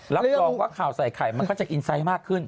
รับรองว่าข่าวใส่ไข่มันก็จะอินไซต์มากขึ้น